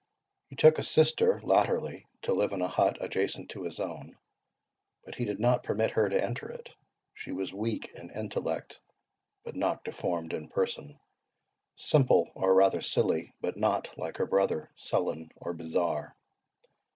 He took a sister, latterly, to live in a hut adjacent to his own, but he did not permit her to enter it. She was weak in intellect, but not deformed in person; simple, or rather silly, but not, like her brother, sullen or bizarre.